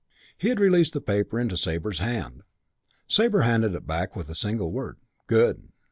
He had released the paper into Sabre's hand. Sabre handed it back with a single word, "Good."